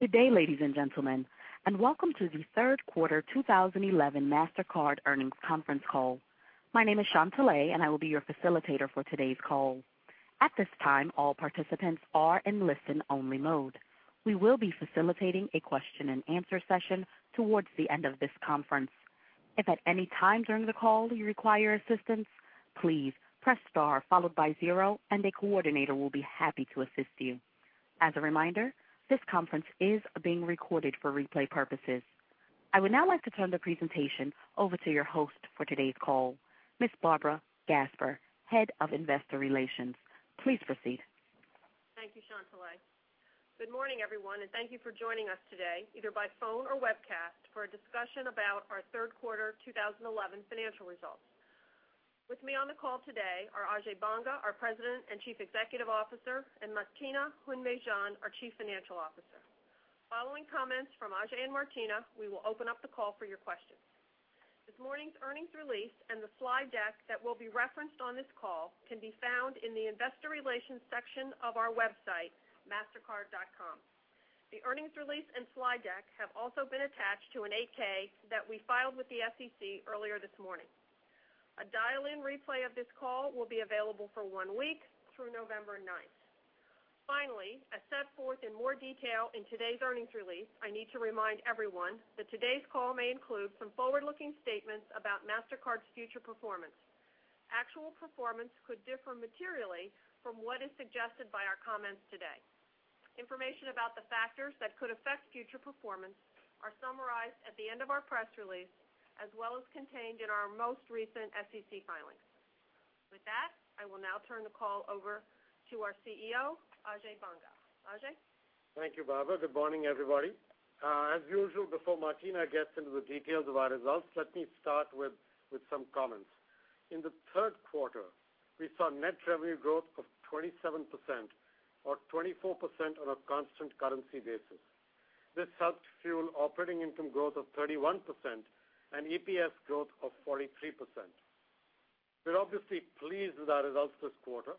Good day, ladies and gentlemen, and welcome to the Third Quarter 2011 Mastercard Earnings Conference Call. My name is Shawn Tilley, and I will be your facilitator for today's call. At this time, all participants are in listen-only mode. We will be facilitating a question and answer session towards the end of this conference. If at any time during the call you require assistance, please press star followed by zero, and a coordinator will be happy to assist you. As a reminder, this conference is being recorded for replay purposes. I would now like to turn the presentation over to your host for today's call, Ms. Barbara Gasper, Head of Investor Relations. Please proceed. Thank you, Shawn Tilley. Good morning, everyone, and thank you for joining us today, either by phone or webcast, for a discussion about our third quarter 2011 financial results. With me on the call today are Ajay Banga, our President and Chief Executive Officer, and Martina Hund-Mejean, our Chief Financial Officer. Following comments from Ajay and Martina, we will open up the call for your questions. This morning's earnings release and the slide deck that will be referenced on this call can be found in the Investor Relations section of our website, mastercard.com. The earnings release and slide deck have also been attached to an 8K that we filed with the SEC earlier this morning. A dial-in replay of this call will be available for one week through November 9. Finally, as set forth in more detail in today's earnings release, I need to remind everyone that today's call may include some forward-looking statements about Mastercard's future performance. Actual performance could differ materially from what is suggested by our comments today. Information about the factors that could affect future performance are summarized at the end of our press release, as well as contained in our most recent SEC filing. With that, I will now turn the call over to our CEO, Ajay Banga. Ajay? Thank you, Barbara. Good morning, everybody. As usual, before Martina gets into the details of our results, let me start with some comments. In the third quarter, we saw net revenue growth of 27%, or 24% on a constant currency basis. This helped fuel operating income growth of 31% and EPS growth of 43%. We're obviously pleased with our results this quarter,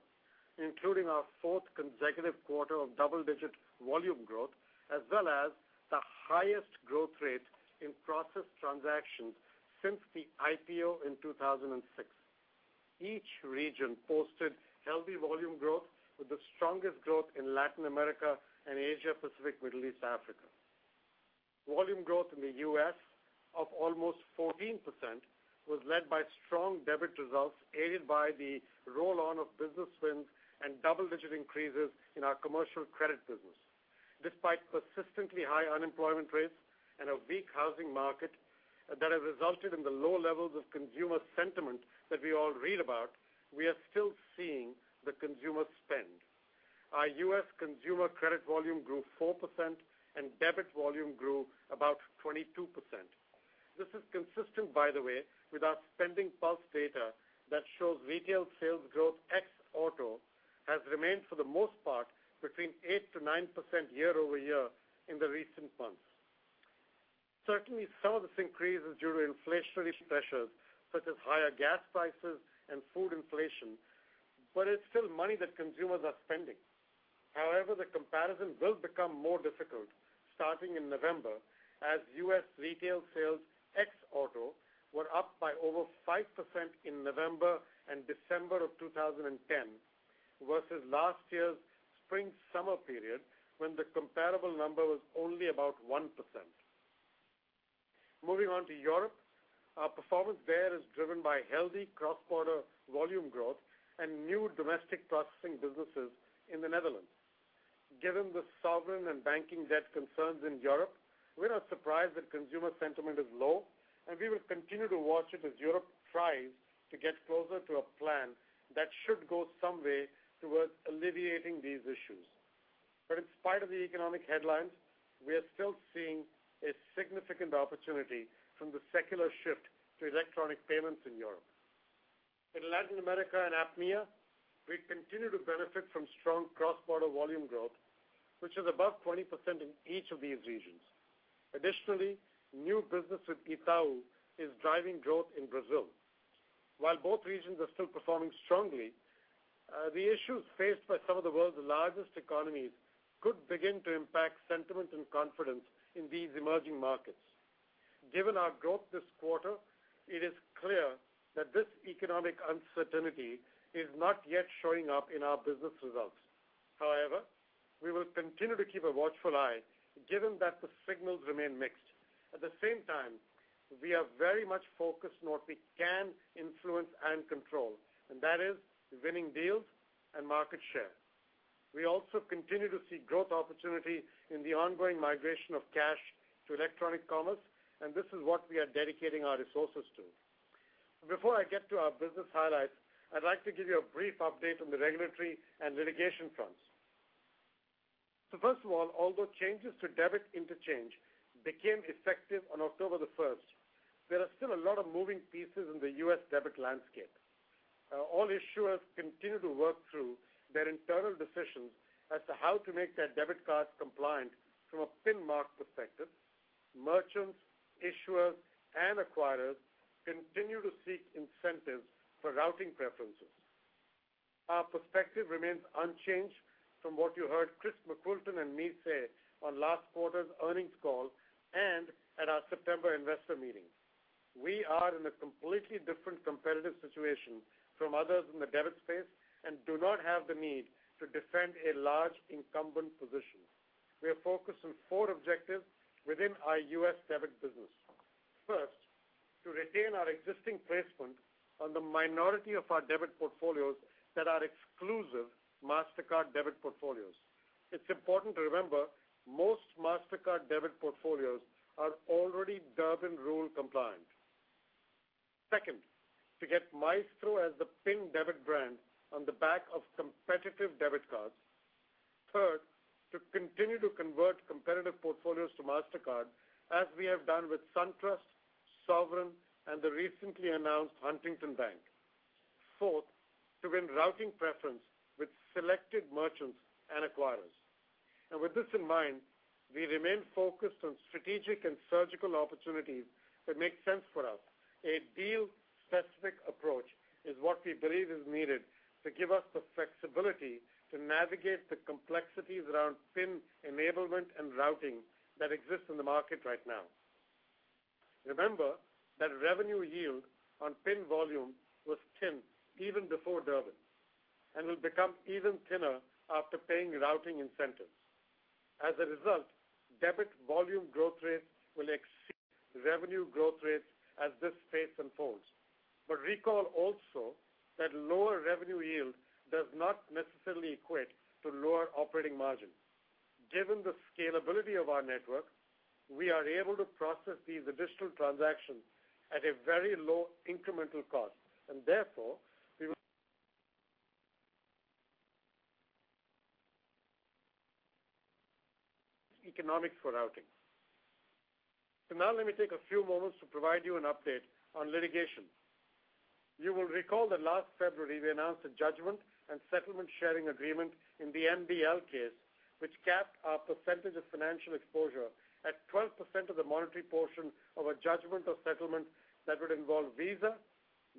including our fourth consecutive quarter of double-digit volume growth, as well as the highest growth rate in processed transactions since the IPO in 2006. Each region posted healthy volume growth, with the strongest growth in Latin America and Asia-Pacific, Middle East, and Africa. Volume growth in the U.S. of almost 14% was led by strong debit results aided by the roll-on of business wins and double-digit increases in our commercial credit business. Despite persistently high unemployment rates and a weak housing market that have resulted in the low levels of consumer sentiment that we all read about, we are still seeing the consumer spend. Our U.S. consumer credit volume grew 4%, and debit volume grew about 22%. This is consistent, by the way, with our SpendingPulse data that shows retail sales growth ex-auto has remained, for the most part, between 8%-9% year-over-year in the recent months. Certainly, some of this increase is due to inflationary pressures, such as higher gas prices and food inflation, but it's still money that consumers are spending. However, the comparison will become more difficult starting in November, as U.S. retail sales ex-auto were up by over 5% in November and December of 2010 versus last year's spring-summer period, when the comparable number was only about 1%. Moving on to Europe, our performance there is driven by healthy cross-border volume growth and new domestic processing businesses in the Netherlands. Given the sovereign and banking debt concerns in Europe, we're not surprised that consumer sentiment is low, and we will continue to watch it as Europe tries to get closer to a plan that should go some way towards alleviating these issues. In spite of the economic headlines, we are still seeing a significant opportunity from the secular shift to electronic payments in Europe. In Latin America and APMEA, we continue to benefit from strong cross-border volume growth, which is above 20% in each of these regions. Additionally, new business with Itaú is driving growth in Brazil. While both regions are still performing strongly, the issues faced by some of the world's largest economies could begin to impact sentiment and confidence in these emerging markets. Given our growth this quarter, it is clear that this economic uncertainty is not yet showing up in our business results. However, we will continue to keep a watchful eye, given that the signals remain mixed. At the same time, we are very much focused on what we can influence and control, and that is winning deals and market share. We also continue to see growth opportunity in the ongoing migration of cash to electronic commerce, and this is what we are dedicating our resources to. Before I get to our business highlights, I'd like to give you a brief update on the regulatory and litigation fronts. First of all, although changes to debit interchange became effective on October 1st, there are still a lot of moving pieces in the U.S. debit landscape. All issuers continue to work through their internal decisions as to how to make their debit cards compliant from a PIN mark perspective. Merchants, issuers, and acquirers continue to seek incentives for routing preferences. Our perspective remains unchanged from what you heard Chris McWilton and me say on last quarter's earnings call and at our September investor meeting. We are in a completely different competitive situation from others in the debit space and do not have the need to defend a large incumbent position. We are focused on four objectives within our U.S. debit business. First, to retain our existing placement on the minority of our debit portfolios that are exclusive Mastercard debit portfolios. It's important to remember most Mastercard debit portfolios are already Durbin rule compliant. Second, to get Maestro as the PIN debit brand on the back of competitive debit cards. Third, to continue to convert competitive portfolios to Mastercard, as we have done with SunTrust, Sovereign, and the recently announced Huntington Bank. Fourth, to win routing preference with selected merchants and acquirers. With this in mind, we remain focused on strategic and surgical opportunities that make sense for us. A deal-specific approach is what we believe is needed to give us the flexibility to navigate the complexities around PIN enablement and routing that exist in the market right now. Remember that revenue yield on PIN volume was thin even before Durbin and will become even thinner after paying routing incentives. As a result, debit volume growth rates will exceed revenue growth rates as this phase unfolds. Recall also that lower revenue yield does not necessarily equate to lower operating margin. Given the scalability of our network, we are able to process these additional transactions at a very low incremental cost, and therefore we will, economics for routing. Now let me take a few moments to provide you an update on litigation. You will recall that last February we announced a judgment and settlement sharing agreement in the NDL case, which capped our percentage of financial exposure at 12% of the monetary portion of a judgment or settlement that would involve Visa,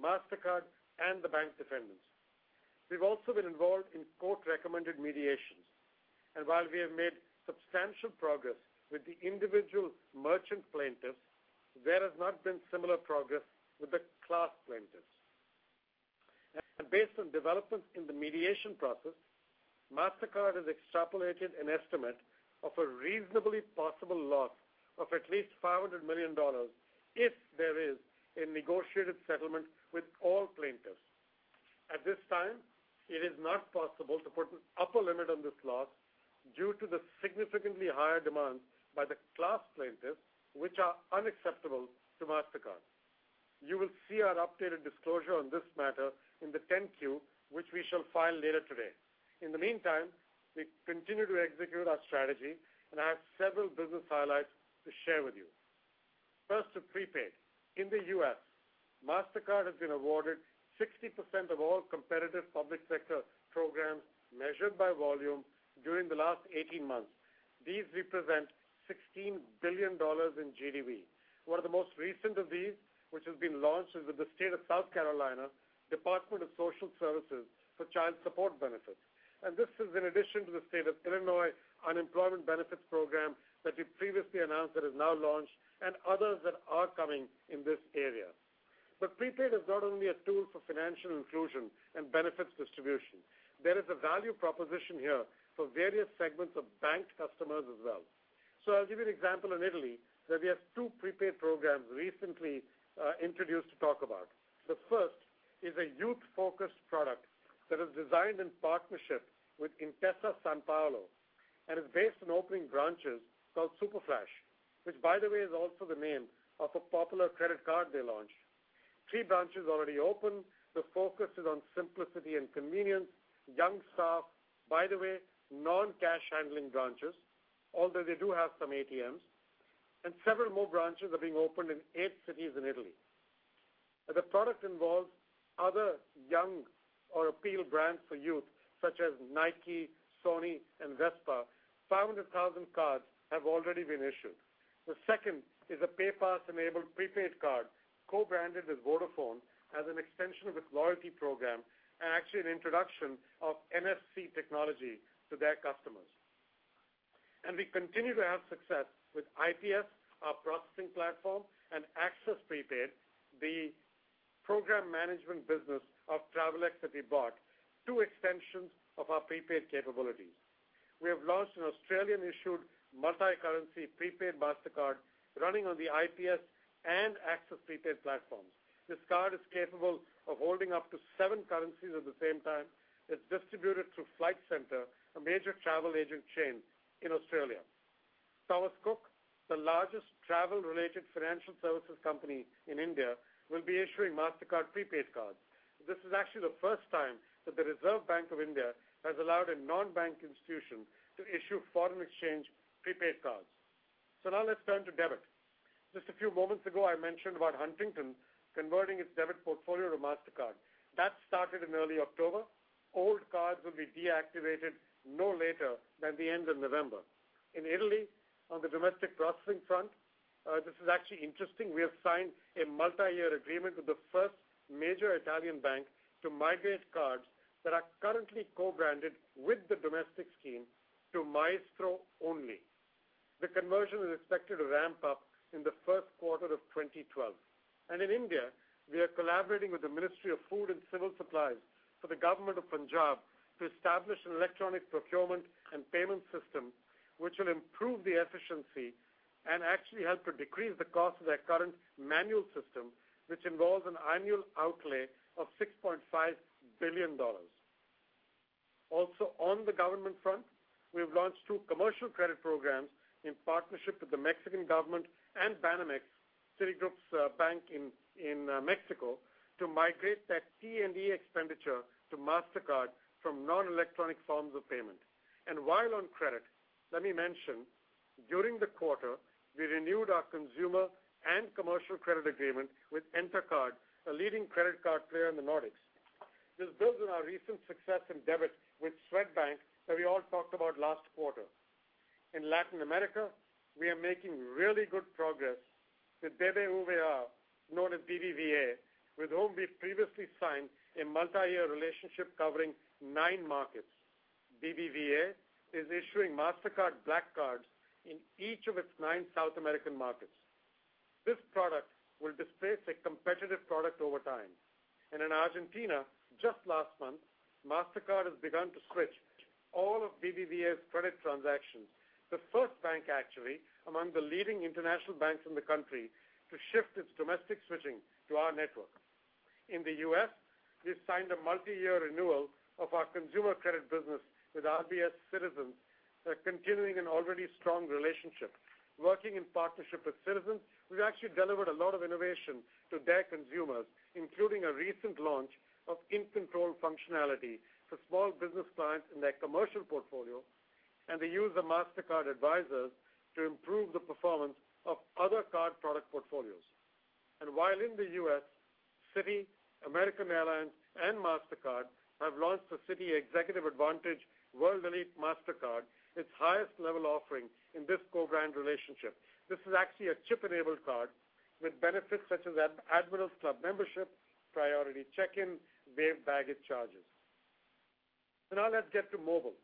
Mastercard, and the bank defenders. We've also been involved in court-recommended mediations. While we have made substantial progress with the individual merchant plaintiffs, there has not been similar progress with the class plaintiffs. Based on developments in the mediation process, Mastercard has extrapolated an estimate of a reasonably possible loss of at least $500 million if there is a negotiated settlement with all plaintiffs. At this time, it is not possible to put an upper limit on this loss due to the significantly higher demand by the class plaintiffs, which are unacceptable to Mastercard. You will see our updated disclosure on this matter in the 10-Q, which we shall file later today. In the meantime, we continue to execute our strategy, and I have several business highlights to share with you. First, the prepaid. In the U.S., Mastercard has been awarded 60% of all competitive public sector programs measured by volume during the last 18 months. These represent $16 billion in GDV. One of the most recent of these, which has been launched, is with the state of South Carolina Department of Social Services for Child Support Benefits. This is in addition to the state of Illinois unemployment benefits program that we previously announced that has now launched and others that are coming in this area. Prepaid is not only a tool for financial inclusion and benefits distribution. There is a value proposition here for various segments of bank customers as well. I'll give you an example in Italy that we have two prepaid programs recently introduced to talk about. The first is a youth-focused product that is designed in partnership with Intesa Sanpaolo and is based on opening branches called Superflash, which, by the way, is also the name of a popular credit card they launched. Three branches already open. The focus is on simplicity and convenience, young staff, by the way, non-cash handling branches, although they do have some ATMs. Several more branches are being opened in eight cities in Italy. The product involves other young or appeal brands for youth, such as Nike, Sony, and Vespa. 500,000 cards have already been issued. The second is a PayPass-enabled prepaid card co-branded with Vodafone as an extension of its loyalty program and actually an introduction of NFC technology to their customers. We continue to have success with ITS, our processing platform, and Access Prepaid, the program management business of Travelex that we bought, two extensions of our prepaid capabilities. We have launched an Australian-issued multi-currency prepaid Mastercard running on the ITS and Access Prepaid platforms. This card is capable of holding up to seven currencies at the same time. It's distributed through Flight Center, a major travel agent chain in Australia. Thomas Cook, the largest travel-related financial services company in India, will be issuing Mastercard prepaid cards. This is actually the first time that the Reserve Bank of India has allowed a non-bank institution to issue foreign exchange prepaid cards. Now let's turn to debit. Just a few moments ago, I mentioned about Huntington converting its debit portfolio to Mastercard. That started in early October. Old cards will be deactivated no later than the end of November. In Italy, on the domestic processing front, this is actually interesting. We have signed a multi-year agreement with the first major Italian bank to migrate cards that are currently co-branded with the domestic scheme to Maestro only. The conversion is expected to ramp up in the first quarter of 2012. In India, we are collaborating with the Ministry of Food and Civil Supplies for the government of Punjab to establish an electronic procurement and payment system, which will improve the efficiency and actually help to decrease the cost of their current manual system, which involves an annual outlay of $6.5 billion. Also, on the government front, we've launched two commercial credit programs in partnership with the Mexican government and Banamex, Citigroup's bank in Mexico, to migrate their T&E expenditure to Mastercard from non-electronic forms of payment. While on credit, let me mention, during the quarter, we renewed our consumer and commercial credit agreement with Entercard, a leading credit card player in the Nordics. This builds on our recent success in debit with Swedbank that we all talked about last quarter. In Latin America, we are making really good progress with Bilbao Vizcaya known as BBVA, with whom we previously signed a multi-year relationship covering nine markets. BBVA is issuing Mastercard black cards in each of its nine South American markets. This product will displace a competitive product over time. In Argentina, just last month, Mastercard has begun to switch all of BBVA's credit transactions, the first bank actually among the leading international banks in the country, to shift its domestic switching to our network. In the U.S., we've signed a multi-year renewal of our consumer credit business with RBS Citizens, continuing an already strong relationship. Working in partnership with Citizens, we've actually delivered a lot of innovation to their consumers, including a recent launch of in-control functionality for small business clients in their commercial portfolio, and they use the Mastercard Advisors to improve the performance of other card product portfolios. While in the U.S., Citi, American Airlines, and Mastercard have launched the Citi AAdvantage Executive World Elite Mastercard, its highest level offering in this co-brand relationship. This is actually a chip-enabled card with benefits such as Admirals Club membership, priority check-in, and baggage charges. Now let's get to mobile.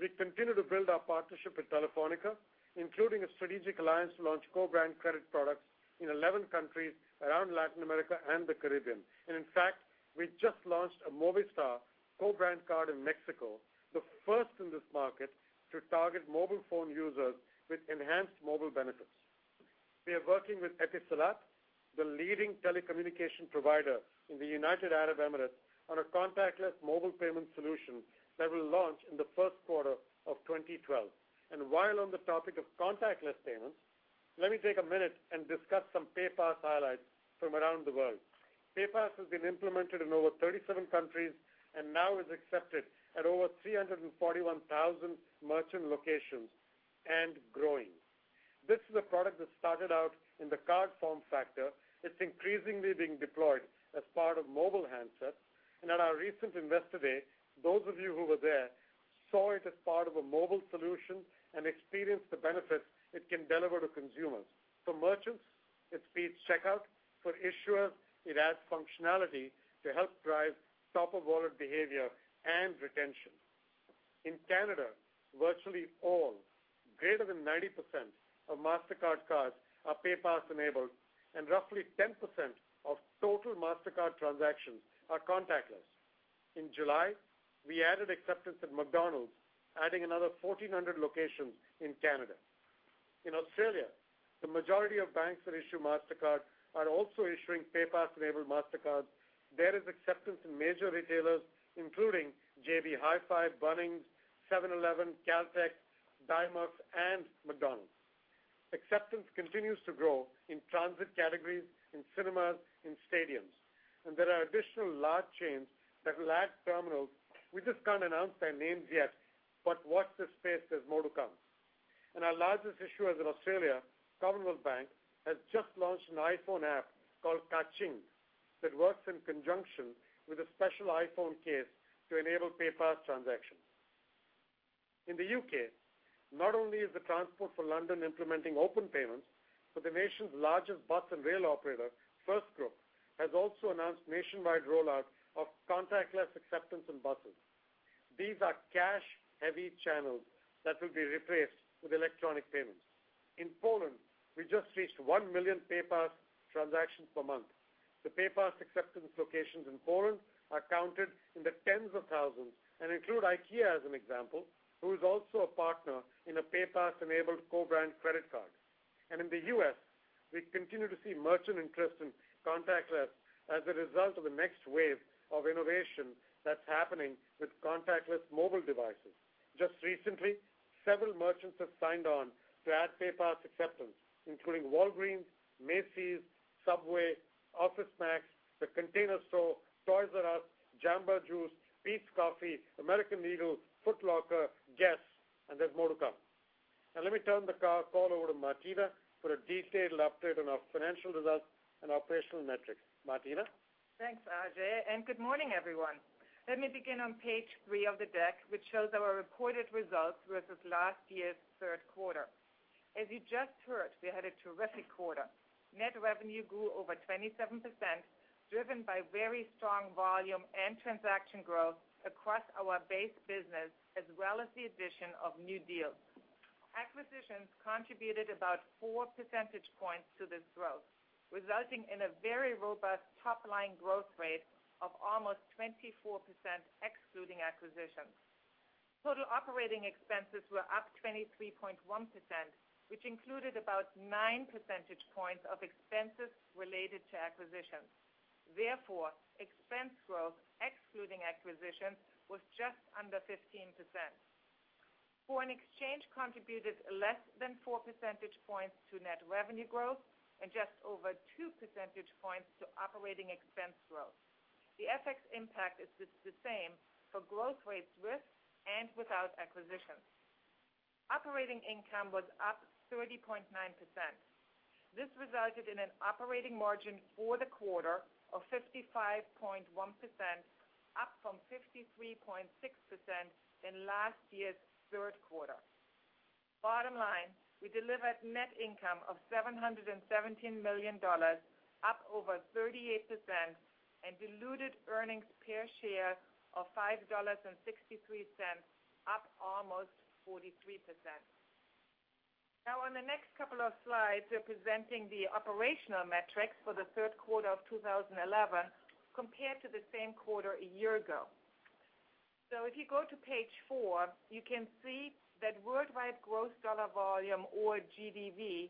We continue to build our partnership with Telefónica, including a strategic alliance to launch co-brand credit products in 11 countries around Latin America and the Caribbean. In fact, we just launched a Movistar co-brand card in Mexico, the first in this market to target mobile phone users with enhanced mobile benefits. We are working with Etisalat, the leading telecommunication provider in the United Arab Emirates, on a contactless mobile payment solution that will launch in the first quarter of 2012. While on the topic of contactless payments, let me take a minute and discuss some PayPass highlights from around the world. PayPass has been implemented in over 37 countries and now is accepted at over 341,000 merchant locations and growing. This is a product that started out in the card form factor. It's increasingly being deployed as part of mobile handset. At our recent Investor Day, those of you who were there saw it as part of a mobile solution and experienced the benefits it can deliver to consumers. For merchants, it speeds checkout. For issuers, it adds functionality to help drive top-of-wallet behavior and retention. In Canada, virtually all, greater than 90% of Mastercard cards are PayPass-enabled, and roughly 10% of total Mastercard transactions are contactless. In July, we added acceptance at McDonald's, adding another 1,400 locations in Canada. In Australia, the majority of banks that issue Mastercard are also issuing PayPass-enabled Mastercards. There is acceptance in major retailers, including JB Hi-Fi, Bunnings, 7-Eleven, Caltex, Dymocks, and McDonald's. Acceptance continues to grow in transit categories, in cinemas, and stadiums. There are additional large chains that will add terminals. We just can't announce their names yet, but watch this space. There's more to come. Our largest issuer in Australia, Commonwealth Bank, has just launched an iPhone app called Kaching that works in conjunction with a special iPhone case to enable PayPass transactions. In the U.K., not only is Transport for London implementing open payments, but the nation's largest bus and rail operator, FirstGroup, has also announced nationwide rollout of contactless acceptance in buses. These are cash-heavy channels that will be replaced with electronic payments. In Poland, we just reached 1 million PayPass transactions per month. The PayPass acceptance locations in Poland are counted in the tens of thousands and include IKEA as an example, who is also a partner in a PayPass-enabled co-brand credit card. In the U.S., we continue to see merchant interest in contactless as a result of the next wave of innovation that's happening with contactless mobile devices. Just recently, several merchants have signed on to add PayPass acceptance, including Walgreens, Macy's, Subway, OfficeMax, The Container Store, Toys "R" Us, Jamba Juice, Peet's Coffee, American Eagle, Foot Locker, Guess, and there's more to come. Let me turn the call over to Martina for a detailed update on our financial results and operational metrics. Martina? Thanks, Ajay, and good morning, everyone. Let me begin on page three of the deck, which shows our recorded results versus last year's third quarter. As you just heard, we had a terrific quarter. Net revenue grew over 27%, driven by very strong volume and transaction growth across our base business, as well as the addition of new deals. Acquisitions contributed about 4% to this growth, resulting in a very robust top-line growth rate of almost 24%, excluding acquisitions. Total operating expenses were up 23.1%, which included about 9% of expenses related to acquisitions. Therefore, expense growth, excluding acquisitions, was just under 15%. Foreign exchange contributed less than 4 percentage points to net revenue growth and just over 2 percentage points to operating expense growth. The FX impact is the same for growth rates with and without acquisitions. Operating income was up 30.9%. This resulted in an operating margin for the quarter of 55.1%, up from 53.6% in last year's third quarter. Bottom line, we delivered net income of $717 million, up over 38%, and diluted earnings per share of $5.63, up almost 43%. Now, on the next couple of slides, we're presenting the operational metrics for the third quarter of 2011 compared to the same quarter a year ago. If you go to page four, you can see that worldwide gross dollar volume, or GDV,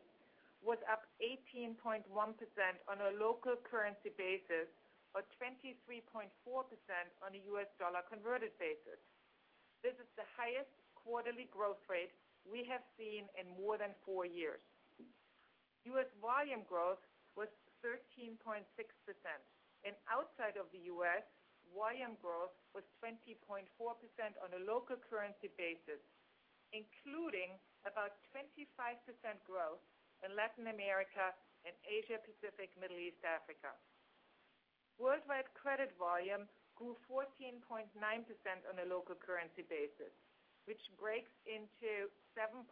was up 18.1% on a local currency basis or 23.4% on a U.S. dollar converted basis. This is the highest quarterly growth rate we have seen in more than four years. U.S. volume growth was 13.6%. Outside of the U.S., volume growth was 20.4% on a local currency basis, including about 25% growth in Latin America and Asia-Pacific, Middle East, and Africa. Worldwide credit volume grew 14.9% on a local currency basis, which breaks into 7.1%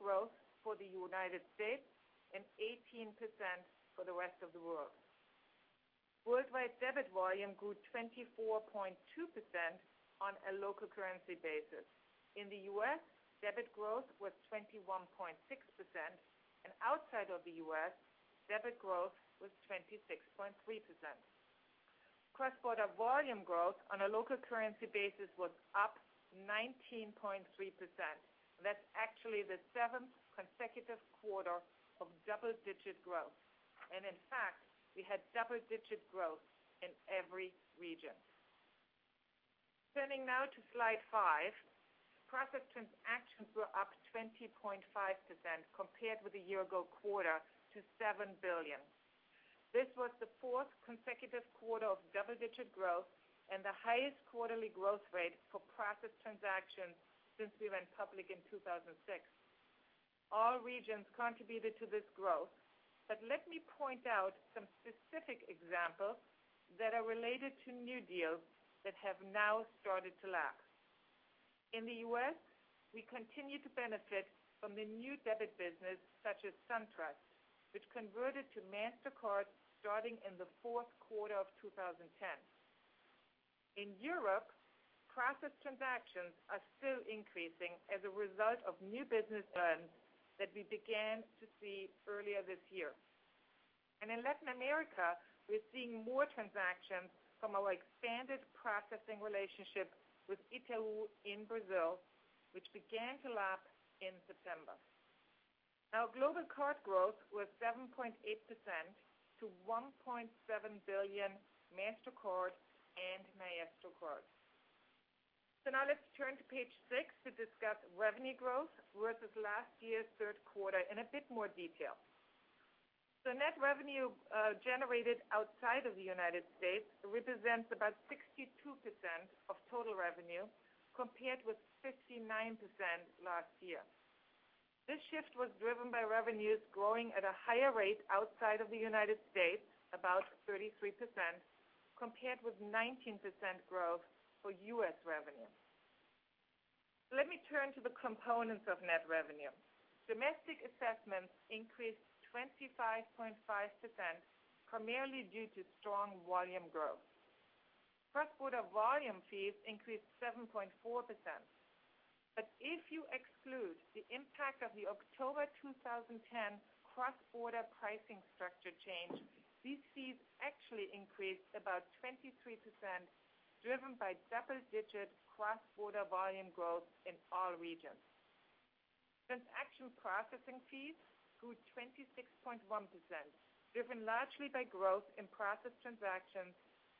growth for the United States and 18% for the rest of the world. Worldwide debit volume grew 24.2% on a local currency basis. In the U.S., debit growth was 21.6%, and outside of the U.S., debit growth was 26.3%. Cross-border volume growth on a local currency basis was up 19.3%. That is actually the seventh consecutive quarter of double-digit growth. In fact, we had double-digit growth in every region. Turning now to slide five, processed transactions were up 20.5% compared with the year-ago quarter to $7 billion. This was the fourth consecutive quarter of double-digit growth and the highest quarterly growth rate for processed transactions since we went public in 2006. All regions contributed to this growth, but let me point out some specific examples that are related to new deals that have now started to lag. In the U.S., we continue to benefit from the new debit business, such as SunTrust, which converted to Mastercard starting in the fourth quarter of 2010. In Europe, processed transactions are still increasing as a result of new business plans that we began to see earlier this year. In Latin America, we're seeing more transactions from our expanded processing relationship with Itaú in Brazil, which began to lapse in September. Our global card growth was 7.8% to 1.7 billion, Mastercard and Maestro card. Now let's turn to page six to discuss revenue growth versus last year's third quarter in a bit more detail. Net revenue generated outside of the United States represents about 62% of total revenue compared with 59% last year. This shift was driven by revenues growing at a higher rate outside of the United States, about 33%, compared with 19% growth for U.S. revenue. Let me turn to the components of net revenue. Domestic assessments increased 25.5%, primarily due to strong volume growth. Cross-border volume fees increased 7.4%. If you exclude the impact of the October 2010 cross-border pricing structure change, these fees actually increased about 23%, driven by double-digit cross-border volume growth in all regions. Transaction processing fees grew 26.1%, driven largely by growth in processed transactions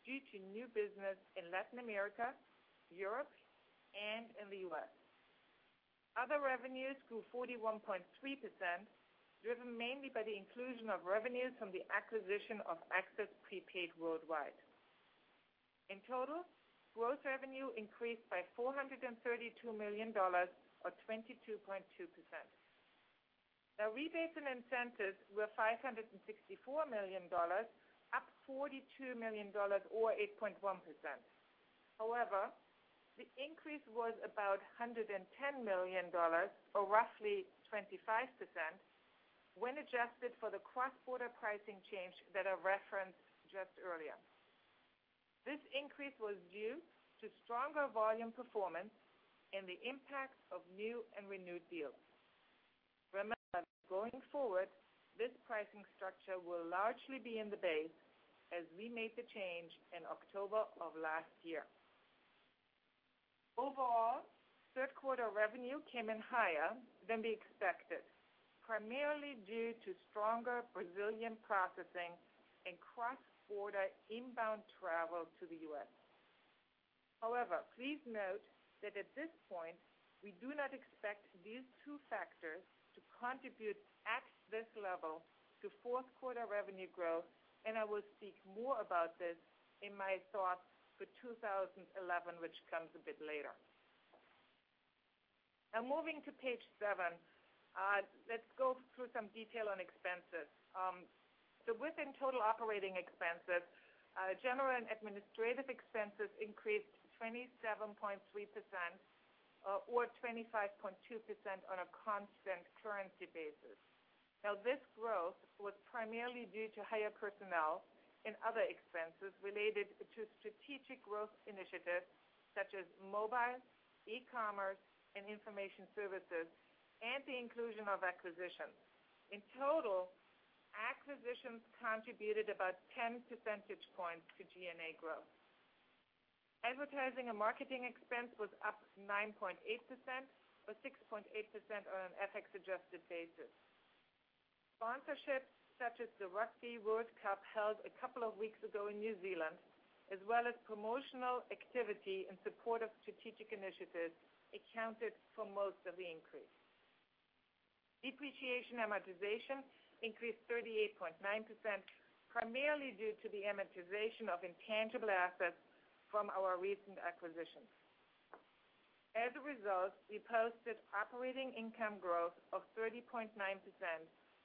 due to new business in Latin America, Europe, and in the U.S. Other revenues grew 41.3%, driven mainly by the inclusion of revenues from the acquisition of Access Prepaid Worldwide. In total, gross revenue increased by $432 million, or 22.2%. Rebates and incentives were $564 million, up $42 million, or 8.1%. However, the increase was about $110 million, or roughly 25%, when adjusted for the cross-border pricing change that I referenced just earlier. This increase was due to stronger volume performance and the impact of new and renewed deals. Remember, going forward, this pricing structure will largely be in the base as we made the change in October of last year. Overall, third quarter revenue came in higher than we expected, primarily due to stronger Brazilian processing and cross-border inbound travel to the U.S. However, please note that at this point, we do not expect these two factors to contribute at this level to fourth quarter revenue growth, and I will speak more about this in my thoughts for 2011, which comes a bit later. Now, moving to page seven, let's go through some detail on expenses. Within total operating expenses, general and administrative expenses increased 27.3% or 25.2% on a constant currency basis. This growth was primarily due to higher personnel and other expenses related to strategic growth initiatives such as mobile, e-commerce, and information services, and the inclusion of acquisitions. In total, acquisitions contributed about 10 percentage points to G&A growth. Advertising and marketing expense was up 9.8% or 6.8% on an FX-adjusted basis. Sponsorships, such as the Rugby World Cup held a couple of weeks ago in New Zealand, as well as promotional activity in support of strategic initiatives, accounted for most of the increase. Depreciation amortization increased 38.9%, primarily due to the amortization of intangible assets from our recent acquisitions. As a result, we posted operating income growth of 30.9%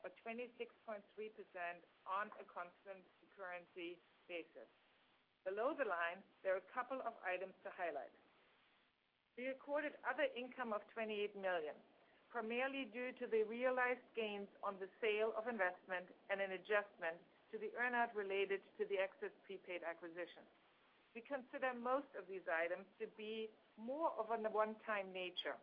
or 26.3% on a constant currency basis. Below the line, there are a couple of items to highlight. We recorded other income of $28 million, primarily due to the realized gains on the sale of investment and an adjustment to the earnout related to the Access Prepaid acquisition. We consider most of these items to be more of a one-time nature.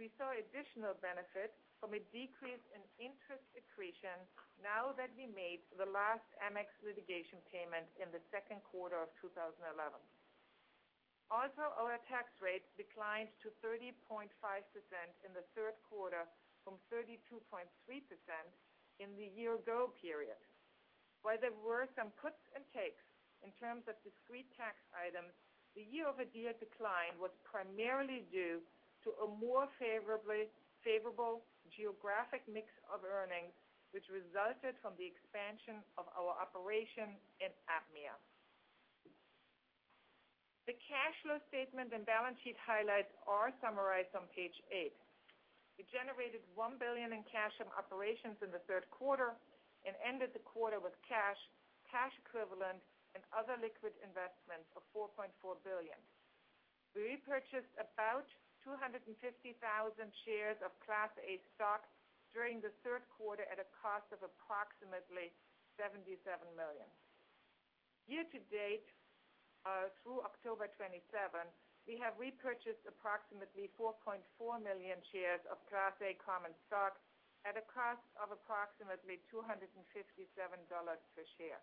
We saw additional benefit from a decrease in interest accretion now that we made the last Amex litigation payment in the second quarter of 2011. Also, our tax rate declined to 30.5% in the third quarter from 32.3% in the year-ago period. While there were some puts and takes in terms of discrete tax items, the year-over-year decline was primarily due to a more favorable geographic mix of earnings, which resulted from the expansion of our operation in APMEA. The cash flow statement and balance sheet highlights are summarized on page eight. We generated $1 billion in cash from operations in the third quarter and ended the quarter with cash, cash equivalents, and other liquid investments of $4.4 billion. We purchased about 250,000 shares of Class A stock during the third quarter at a cost of approximately $77 million. Year to date, through October 27, we have repurchased approximately 4.4 million shares of Class A common stock at a cost of approximately $257 per share.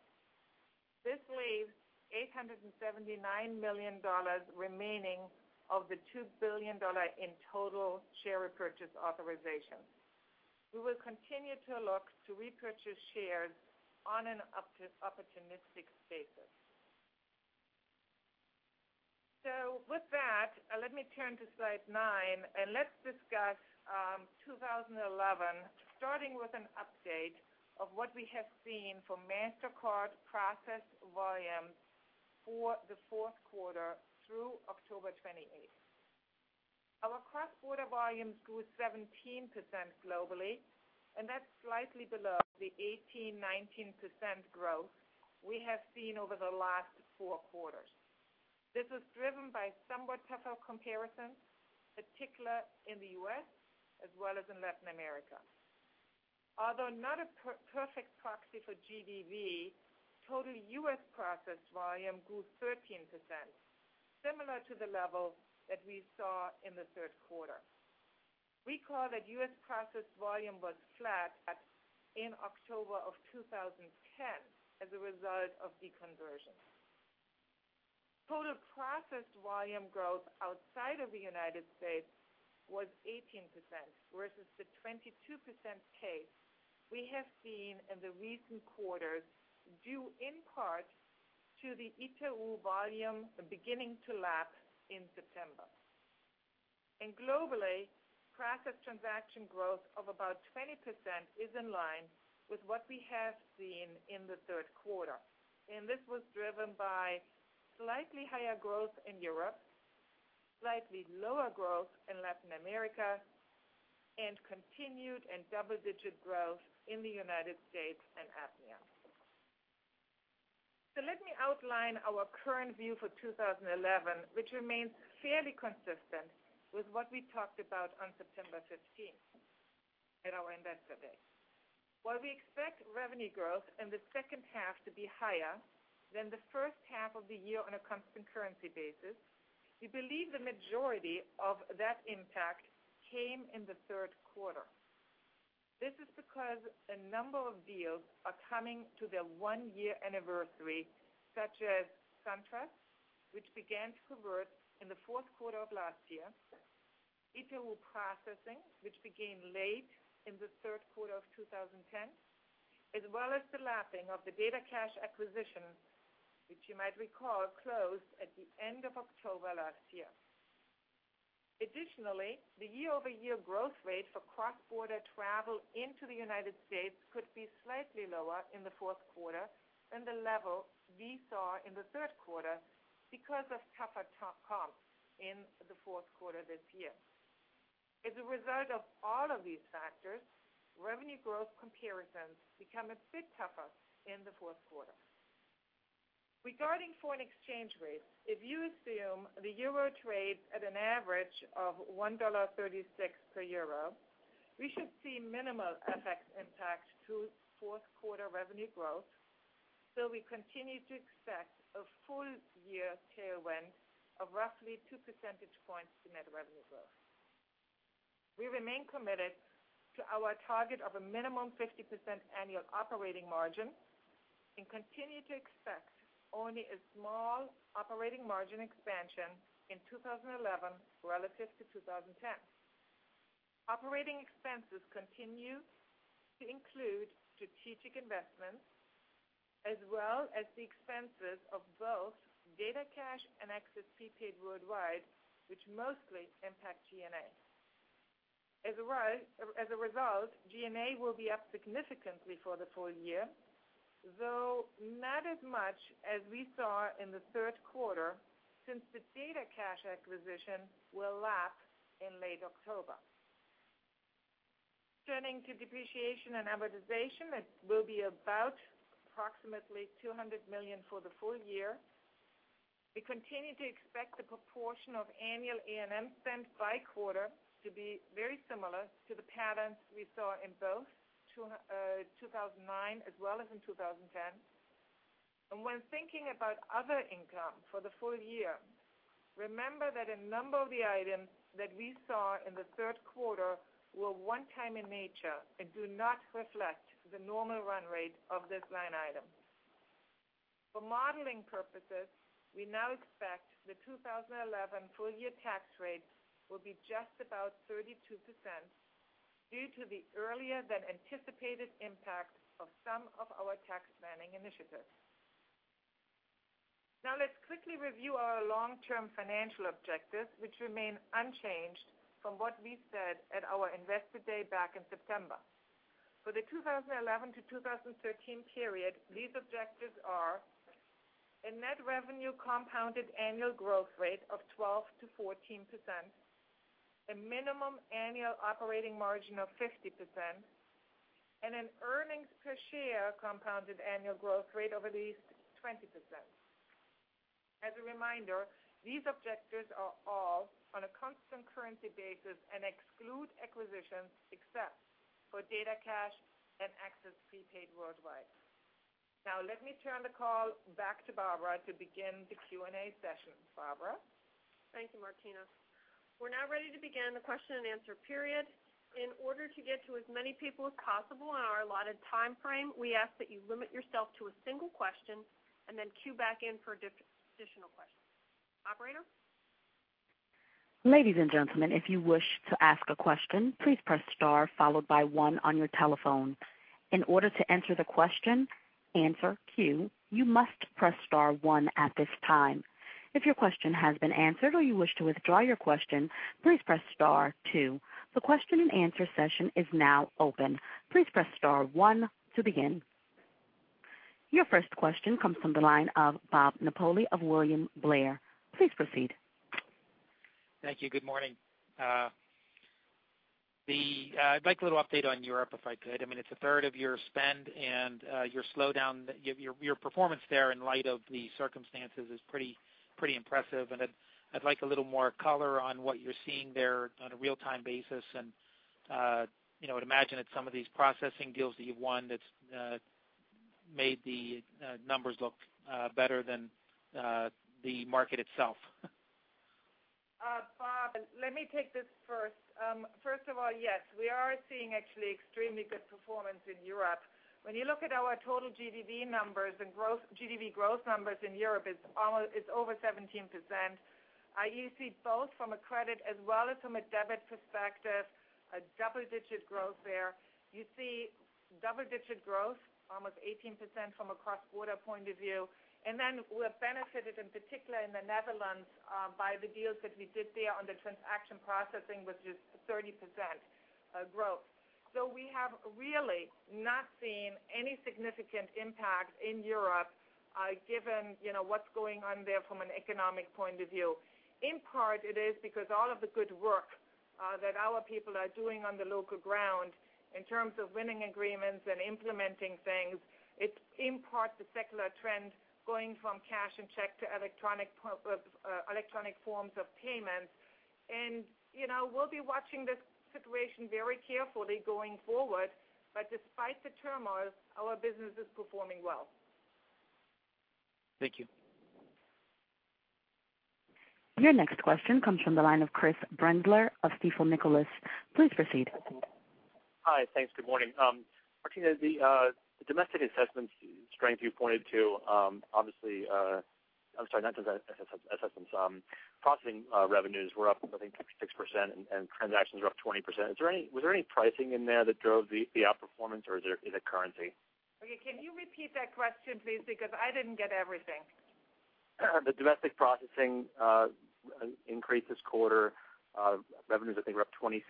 This leaves $879 million remaining of the $2 billion in total share repurchase authorization. We will continue to look to repurchase shares on an opportunistic basis. With that, let me turn to slide nine, and let's discuss 2011, starting with an update of what we have seen from Mastercard process volume for the fourth quarter through October 28. Our cross-border volumes grew 17% globally, and that's slightly below the 18%, 19% growth we have seen over the last four quarters. This was driven by somewhat tougher comparisons, particularly in the U.S. as well as in Latin America. Although not a perfect proxy for GDV, total U.S. process volume grew 13%, similar to the level that we saw in the third quarter. Recall that U.S. process volume was flat in October of 2010 as a result of deconversion. Total process volume growth outside of the United States was 18% versus the 22% case we have seen in the recent quarters, due in part to the Itaú volume beginning to lapse in September. Globally, process transaction growth of about 20% is in line with what we have seen in the third quarter. This was driven by slightly higher growth in Europe, slightly lower growth in Latin America, and continued double-digit growth in the United States and APMEA. Let me outline our current view for 2011, which remains fairly consistent with what we talked about on September 15 at our Investor Day. While we expect revenue growth in the second half to be higher than the first half of the year on a constant currency basis, we believe the majority of that impact came in the third quarter. This is because a number of deals are coming to their one-year anniversary, such as SunTrust, which began through birth in the fourth quarter of last year, Itaú processing, which began late in the third quarter of 2010, as well as the lapping of the DataCash acquisition, which you might recall closed at the end of October last year. Additionally, the year-over-year growth rate for cross-border travel into the United States could be slightly lower in the fourth quarter than the level we saw in the third quarter because of tougher comps in the fourth quarter this year. As a result of all of these factors, revenue growth comparisons become a bit tougher in the fourth quarter. Regarding foreign exchange rates, if you assume the euro trades at an average of $1.36 per euro, we should see minimal effects intact to fourth quarter revenue growth. We continue to expect a full-year tailwind of roughly 2% to net revenue growth. We remain committed to our target of a minimum 50% annual operating margin and continue to expect only a small operating margin expansion in 2011 relative to 2010. Operating expenses continue to include strategic investments, as well as the expenses of both DataCash and Access Prepaid Worldwide, which mostly impact G&A. As a result, G&A will be up significantly for the full year, though not as much as we saw in the third quarter since the DataCash acquisition will lapse in late October. Turning to depreciation and amortization, it will be about approxiamtely $200 million for the full year. We continue to expect the proportion of annual E&M spent by quarter to be very similar to the patterns we saw in both 2009 and 2010. When thinking about other income for the full year, remember that a number of the items that we saw in the third quarter were one-time in nature and do not reflect the normal run rate of this line item. For modeling purposes, we now expect the 2011 full-year tax rate will be just about 32% due to the earlier-than-anticipated impact of some of our tax planning initiatives. Now let's quickly review our long-term financial objectives, which remain unchanged from what we said at our Investor Day back in September. For the 2011 to 2013 period, these objectives are a net revenue compounded annual growth rate of 12% to 14%, a minimum annual operating margin of 50%, and an earnings per share compounded annual growth rate of at least 20%. As a reminder, these objectives are all on a constant currency basis and exclude acquisition success for DataCash and Access Prepaid Worldwide. Now let me turn the call back to Barbara to begin the Q&A session. Barbara? Thank you, Martina. We're now ready to begin the question-and-answer period. In order to get to as many people as possible in our allotted time frame, we ask that you limit yourself to a single question and then queue back in for additional questions. Operator? Ladies and gentlemen, if you wish to ask a question, please press star followed by one on your telephone. In order to enter the question and answer queue, you must press star one at this time. If your question has been answered or you wish to withdraw your question, please press star two. The question and answer session is now open. Please press star one to begin. Your first question comes from the line of Bob Napoli of William Blair. Please proceed. Thank you. Good morning. I'd like a little update on Europe if I could. I mean, it's a third of your spend, and your slowdown, your performance there in light of the circumstances is pretty impressive. I'd like a little more color on what you're seeing there on a real-time basis. I would imagine it's some of these processing deals that you've won that's made the numbers look better than the market itself. Bob, let me take this first. First of all, yes, we are seeing actually extremely good performance in Europe. When you look at our total GDV numbers and growth, GDV growth numbers in Europe, it's almost over 17%. You see both from a credit as well as from a debit perspective, a double-digit growth there. You see double-digit growth, almost 18% from a cross-border point of view. We are benefited in particular in the Netherlands by the deals that we did there on the transaction processing with just 30% growth. We have really not seen any significant impact in Europe, given what's going on there from an economic point of view. In part, it is because all of the good work that our people are doing on the local ground in terms of winning agreements and implementing things. It is in part the secular trend going from cash and check to electronic forms of payment. We will be watching this situation very carefully going forward. Despite the turmoil, our business is performing well. Thank you. Your next question comes from the line of Chris Brendler of Stifel Nicolaus. Please proceed. Hi, thanks. Good morning. Martina, the domestic assessments strength you pointed to, obviously, I'm sorry, not just assessments. Processing revenues were up, I think, 6%, and transactions were up 20%. Was there any pricing in there that drove the outperformance, or is it currency? Okay. Can you repeat that question, please? I didn't get everything. The domestic processing increased this quarter. Revenues, I think, were up 26%,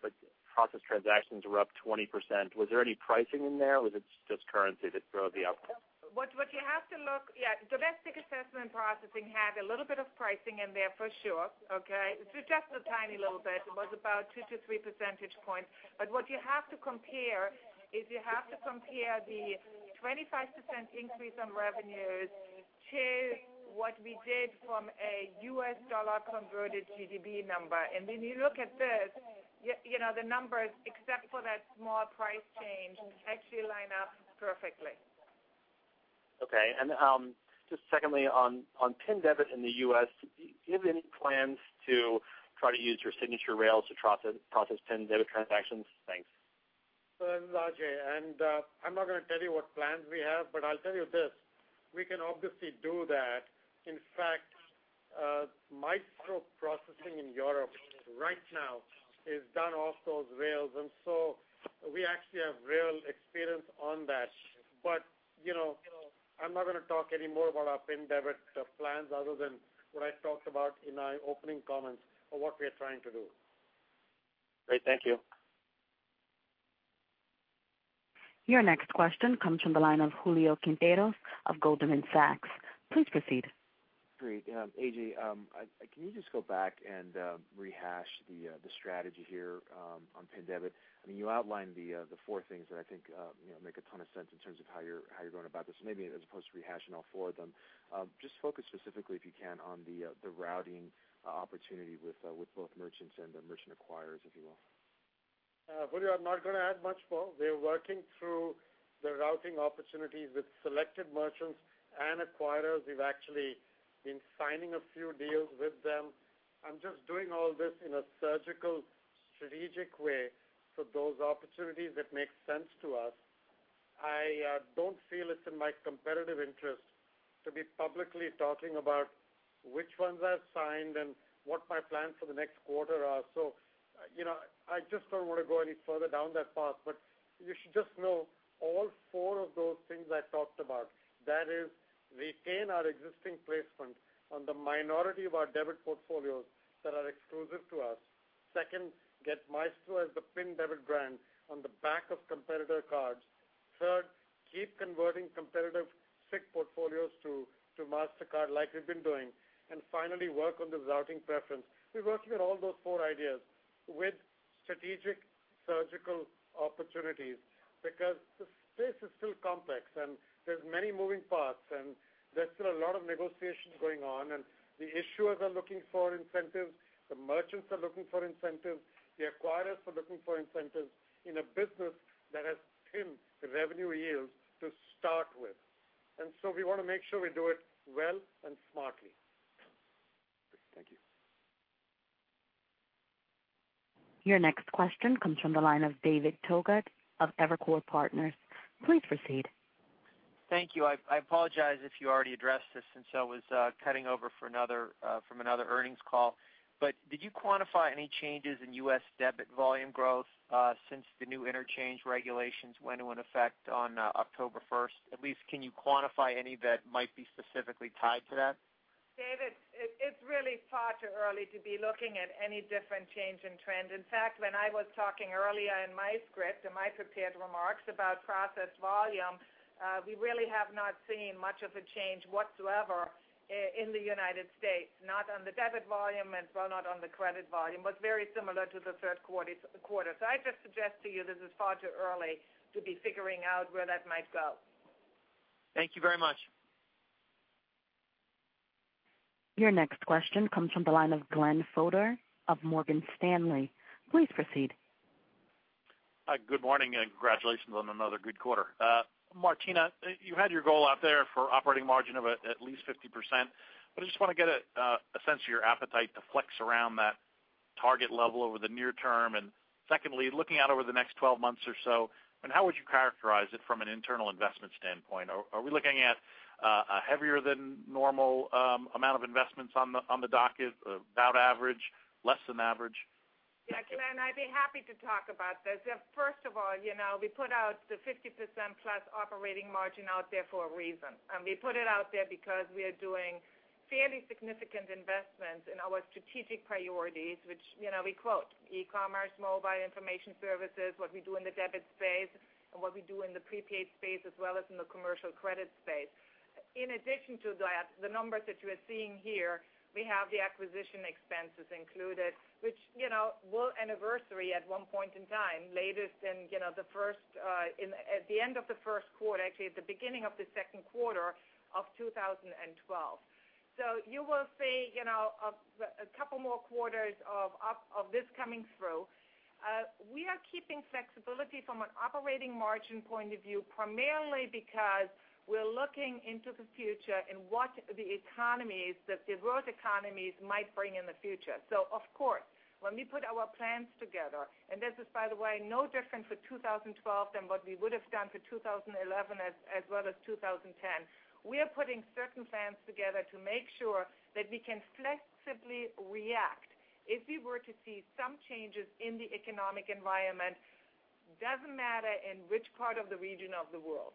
but processed transactions were up 20%. Was there any pricing in there, or was it just currency that drove the outperformance? What you have to look, domestic assessment processing had a little bit of pricing in there for sure. It's just a tiny little bit. It was about 2%-3%. What you have to compare is you have to compare the 25% increase on revenues to what we did from a U.S. dollar converted GDV number. When you look at this, you know the numbers, except for that small price change, actually line up perfectly. Okay. Just secondly, on PIN debit in the U.S., do you have any plans to try to use your signature rails to process PIN debit transactions? Thanks. This is Ajay, I'm not going to tell you what plans we have, but I'll tell you this. We can obviously do that. In fact, microprocessing in Europe right now is done off those rails, so we actually have real experience on that. You know I'm not going to talk any more about our PIN debit plans other than what I talked about in my opening comments of what we are trying to do. Great, thank you. Your next question comes from the line of Julio Quinteros of Goldman Sachs. Please proceed. Great. Ajay, can you just go back and rehash the strategy here on PIN debit? I mean, you outlined the four things that I think make a ton of sense in terms of how you're going about this. Maybe as opposed to rehashing all four of them, just focus specifically, if you can, on the routing opportunity with both merchants and the merchant acquirers, if you will. Julio, I'm not going to add much more. We're working through the routing opportunities with selected merchants and acquirers. We've actually been signing a few deals with them. I'm just doing all this in a surgical, strategic way for those opportunities that make sense to us. I don't feel it's in my competitive interest to be publicly talking about which ones I've signed and what my plans for the next quarter are. I just don't want to go any further down that path. You should just know all four of those things I talked about. That is, retain our existing placement on the minority of our debit portfolios that are exclusive to us. Second, get Maestro as the PIN debit brand on the back of competitor cards. Third, keep converting competitive SIC portfolios to Mastercard like we've been doing. Finally, work on the routing preference. We're working on all those four ideas with strategic, surgical opportunities because the space is still complex and there's many moving parts. There's still a lot of negotiations going on. The issuers are looking for incentives. The merchants are looking for incentives. The acquirers are looking for incentives in a business that has thin revenue yields to start with. We want to make sure we do it well and smartly. Thank you. Your next question comes from the line of David Togut of Evercore Partners. Please proceed. Thank you. I apologize if you already addressed this since I was cutting over from another earnings call. Did you quantify any changes in U.S. debit volume growth since the new interchange regulations went into effect on October 1st? At least, can you quantify any that might be specifically tied to that? David, it's really far too early to be looking at any different change in trend. In fact, when I was talking earlier in my script and my prepared remarks about process volume, we really have not seen much of a change whatsoever in the U.S., not on the debit volume as well, not on the credit volume. It was very similar to the third quarter. I just suggest to you, this is far too early to be figuring out where that might go. Thank you very much. Your next question comes from the line of Glenn Fodor of Morgan Stanley. Please proceed. Good morning and congratulations on another good quarter. Martina, you had your goal out there for operating margin of at least 50%. I just want to get a sense of your appetite to flex around that target level over the near term. Secondly, looking out over the next 12 months or so, how would you characterize it from an internal investment standpoint? Are we looking at a heavier-than-normal amount of investments on the docket, about average, or less than average? Yes, Glenn, I'd be happy to talk about this. First of all, you know we put out the 50%+ operating margin out there for a reason. We put it out there because we are doing fairly significant investments in our strategic priorities, which you know we quote, e-commerce, mobile information services, what we do in the debit space, and what we do in the prepaid space, as well as in the commercial credit space. In addition to that, the numbers that you are seeing here, we have the acquisition expenses included, which you know will anniversary at one point in time, latest in, you know, the first, at the end of the first quarter, actually at the beginning of the second quarter of 2012. You will see a couple more quarters of this coming through. We are keeping flexibility from an operating margin point of view, primarily because we're looking into the future and what the economies, the growth economies might bring in the future. Of course, when we put our plans together, and this is, by the way, no different for 2012 than what we would have done for 2011 as well as 2010, we are putting certain plans together to make sure that we can flexibly react if we were to see some changes in the economic environment. It doesn't matter in which part of the region of the world.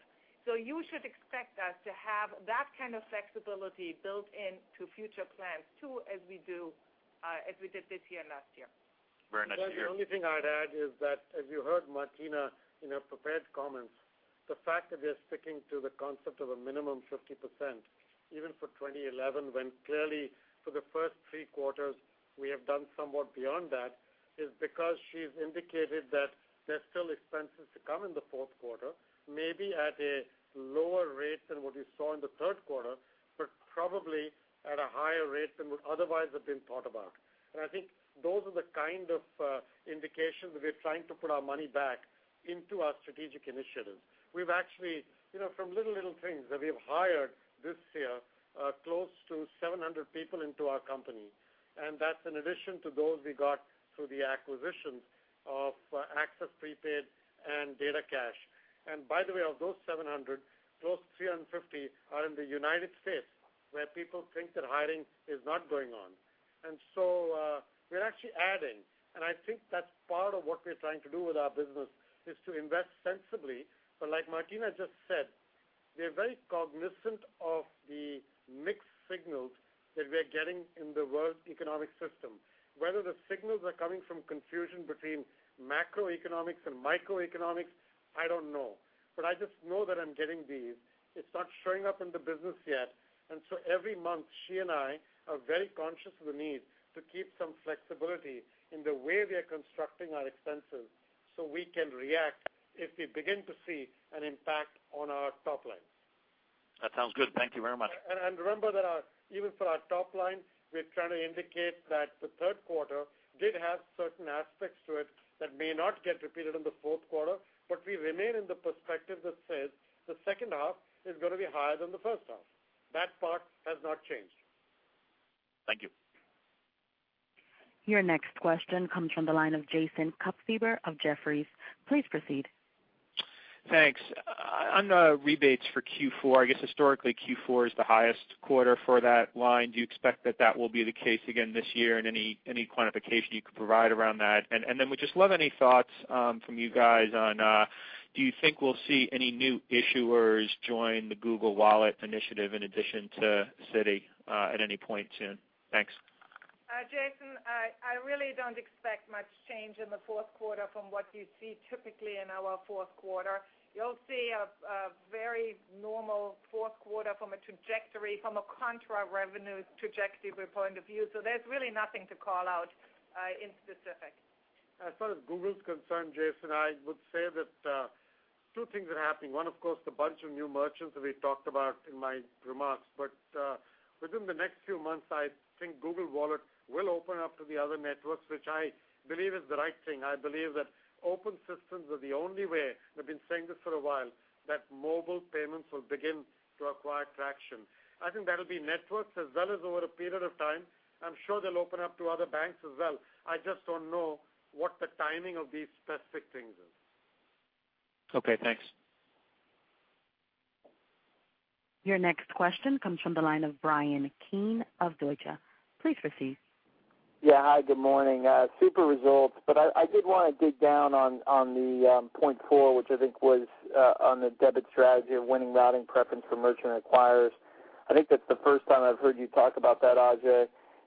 You should expect us to have that kind of flexibility built into future plans too, as we do, as we did this year and last year. Very nice to hear. The only thing I'd add is that, as you heard Martina in her prepared comments, the fact that we are sticking to the concept of a minimum of 50%, even for 2011, when clearly for the first three quarters we have done somewhat beyond that, is because she's indicated that there's still expenses to come in the fourth quarter, maybe at lower rates than what we saw in the third quarter, but probably at a higher rate than would otherwise have been thought about. I think those are the kind of indications that we're trying to put our money back into our strategic initiatives. We've actually, from little, little things that we have hired this year, close to 700 people into our company. That's in addition to those we got through the acquisitions of Access Prepaid and DataCash. By the way, of those 700, close to 350 are in the U.S., where people think that hiring is not going on. We're actually adding. I think that's part of what we're trying to do with our business, is to invest sensibly. Like Martina just said, we are very cognizant of the mixed signals that we are getting in the world economic system. Whether the signals are coming from confusion between macroeconomics and microeconomics, I don't know. I just know that I'm getting these. It's not showing up in the business yet. Every month, she and I are very conscious of the need to keep some flexibility in the way we are constructing our expenses so we can react if we begin to see an impact on our top lines. That sounds good. Thank you very much. Remember that even for our top line, we're trying to indicate that the third quarter did have certain aspects to it that may not get repeated in the fourth quarter, but we remain in the perspective that says the second half is going to be higher than the first half. That part has not changed. Thank you. Your next question comes from the line of Jason Kupferberg of Jefferies. Please proceed. Thanks. On the rebates for Q4, I guess historically Q4 is the highest quarter for that line. Do you expect that that will be the case again this year, and any quantification you could provide around that? We'd just love any thoughts from you guys on, do you think we'll see any new issuers join the Google Wallet initiative in addition to Citi at any point soon? Thanks. Jason, I really don't expect much change in the fourth quarter from what you see typically in our fourth quarter. You'll see a very normal fourth quarter from a trajectory, from a contra-revenue trajectory point of view. There's really nothing to call out in specific. As far as Google's concerned, Jason, I would say that two things are happening. One, of course, the bunch of new merchants that we talked about in my remarks. Within the next few months, I think Google Wallet will open up to the other networks, which I believe is the right thing. I believe that open systems are the only way, and I've been saying this for a while, that mobile payments will begin to acquire traction. I think that'll be networks as well as over a period of time. I'm sure they'll open up to other banks as well. I just don't know what the timing of these specific things is. Okay. Thanks. Your next question comes from the line of Bryan Keane of Deutsche. Please proceed. Yeah. Hi. Good morning. Super results. I did want to dig down on the point four, which I think was on the debit strategy of winning routing preference for merchant acquirers. I think that's the first time I've heard you talk about that, Ajay.